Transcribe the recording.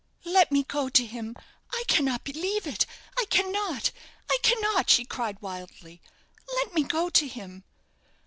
"Let me go to him! I cannot believe it I cannot I cannot!" she cried, wildly. "Let me go to him!"